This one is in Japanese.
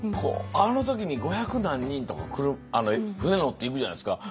あの時に五百何人とか来る船乗って行くじゃないですか。